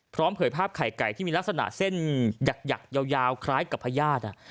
พร้อมเผยภาพไข่ไก่ที่มีลักษณะเส้นหยักหยักยาวยาวคล้ายกับพระญาติอ่ะ